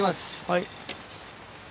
はい。